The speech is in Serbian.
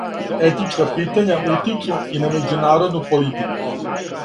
Етичка питања утичу и на међународну политику.